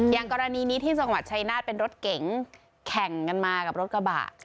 อย่างกรณีนี้ที่จังหวัดชายนาฏเป็นรถเก๋งแข่งกันมากับรถกระบะ